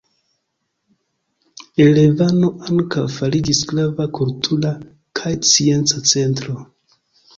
Erevano ankaŭ fariĝis grava kultura kaj scienca centro.